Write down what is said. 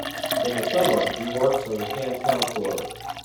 In the summer, he works as a camp counselor.